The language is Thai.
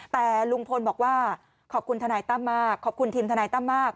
แต่ลุงพลบอกว่าขอบคุณทนายตั้มมากขอบคุณทีมทนายตั้มมาก